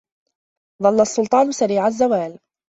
ظل السلطان سريع الزوال